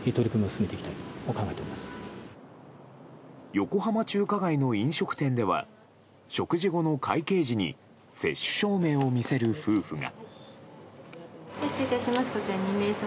横浜中華街の飲食店では食事後の会計時に接種証明を見せる夫婦が。